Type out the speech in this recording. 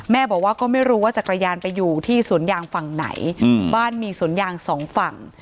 แม่บอกว่าก็ไม่รู้ว่าจักรยานไปอยู่ที่สวนยางฝั่งไหนบ้านมีสวนยางสองฝั่ง